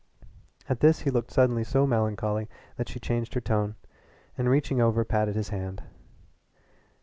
At this he looked suddenly so melancholy that she changed her tone, and reaching over patted his hand.